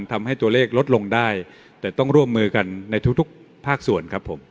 ทำให้ตัวเลขลดลงได้แต่ต้องร่วมมือกันในทุกทุกภาคส่วนครับผม